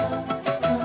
nih aku tidur